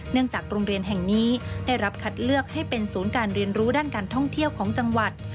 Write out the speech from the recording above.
จากโรงเรียนแห่งนี้ได้รับคัดเลือกให้เป็นศูนย์การเรียนรู้ด้านการท่องเที่ยวของจังหวัด